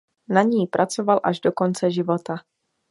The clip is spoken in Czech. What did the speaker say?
Na ní pracoval až do konce života.